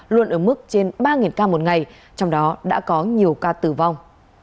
luôn ở mức trên ba ca một ngày trong đó đã có nhiều ca tử vong